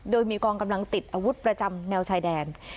โดยมีกองกำลังติดอาวุธประจำแนวชายแดน